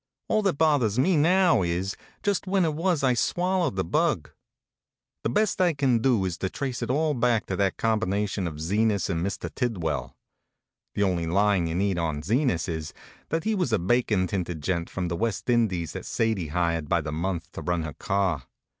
All that bothers me now is, just when it was I swallowed the bug. The best I can do is to trace it all back to that combination of Zenas and Mr. Tidwell. The only line you need on Zenas is that he was a bacon tinted gent from the West In dies that Sadie hired by the month to run her car.